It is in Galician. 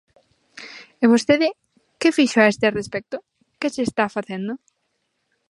E vostede ¿que fixo a este respecto?, ¿que se está facendo?